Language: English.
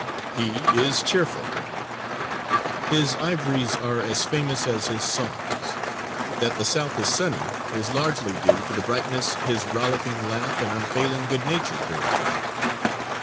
He is cheerful. His ivories are as famous as his songs. That the South is "sunny" is largely due to the brightness his rollicking laugh and unfailing good nature bring to it.